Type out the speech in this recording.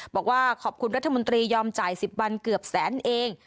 บอกว่าขอบคุณรัฐมนตรียอมจ่าย๑๐วันเกือบแสนเอง